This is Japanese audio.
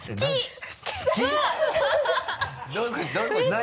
何？